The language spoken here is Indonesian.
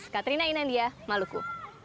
katrina inandia maluku